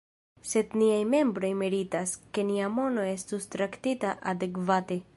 Sed niaj membroj meritas, ke nia mono estu traktita adekvate.